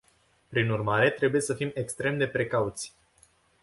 Prin urmare, trebuie să fim extrem de precauți.